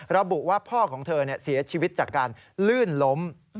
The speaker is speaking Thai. ระบุว่าพ่อของเธอเสียชีวิตจากการลื่นล้ม